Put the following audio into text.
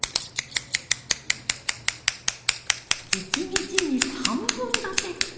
１日に３本立て。